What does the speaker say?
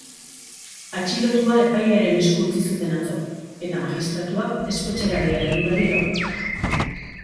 Atxilotua epailearen esku utzi zuten atzo, eta magistratuak espetxera bidali du berriro.